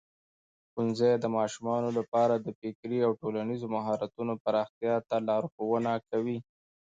ښوونځی د ماشومانو لپاره د فکري او ټولنیزو مهارتونو پراختیا ته لارښوونه کوي.